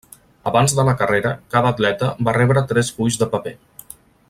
Abans de la carrera, cada atleta va rebre tres fulls de paper.